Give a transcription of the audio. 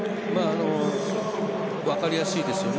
分かりやすいですよね